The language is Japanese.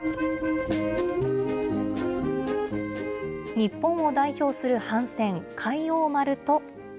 日本を代表する帆船、海王丸と。